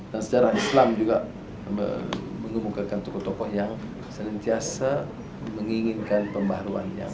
dan secara islam juga mengungkapkan tokoh tokoh yang selantiasa menginginkan pembaharuan yang